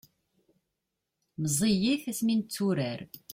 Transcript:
meẓẓiyit asmi netturar